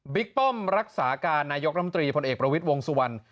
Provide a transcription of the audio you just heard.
ป้อมรักษาการนายกรมตรีพลเอกประวิทย์วงสุวรรณ